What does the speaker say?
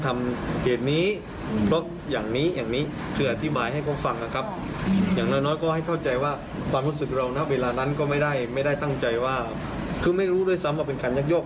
ไม่ได้ตั้งใจว่าคือไม่รู้ด้วยซ้ำว่าเป็นขันยักษ์ยก